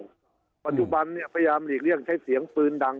มันไม่เหมือนเก่าปัจจุบันเนี่ยพยายามหลีกเลี่ยงใช้เสียงปืนดัง